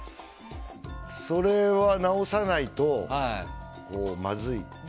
それは直さないとまずいと思います。